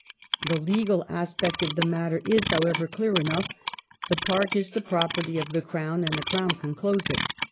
The legal aspect of the matter is, however, clear enough. The Park is the property of the Crown, and the Crown can close it.